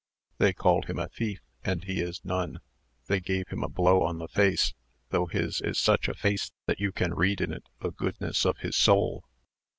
They called him a thief, and he is none; they gave him a blow on the face, though his is such a face that you can read in it the goodness of his soul.